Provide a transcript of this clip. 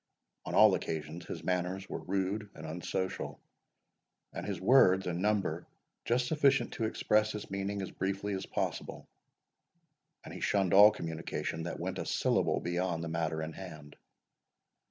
On all occasions his manners were rude and unsocial; and his words, in number, just sufficient to express his meaning as briefly as possible, and he shunned all communication that went a syllable beyond the matter in hand.